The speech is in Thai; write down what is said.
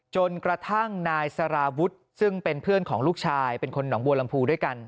จนกระทั่งนายสารวุฒิซึ่งเป็นเพื่อนของลูกชายเป็นคนหนองบัวลำพูด้วยกัน